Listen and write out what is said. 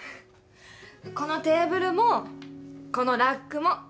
このテーブルもこのラックも。